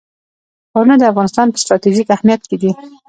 ښارونه د افغانستان په ستراتیژیک اهمیت کې دي.